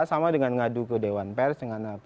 sama dengan ngadu ke dewan pers